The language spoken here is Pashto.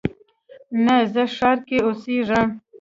نه، زه ښار کې اوسیږم